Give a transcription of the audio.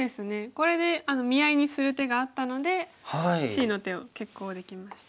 これで見合いにする手があったのでＣの手を決行できました。